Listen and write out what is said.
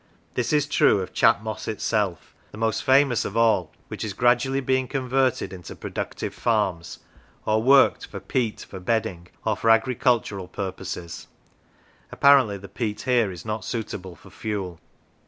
This is true of Chat Moss itself, the most famous of all, which is gradually being converted into productive farms, or worked for peat for bedding or for agricultural pur poses : apparently the peat here is not suitable for fuel.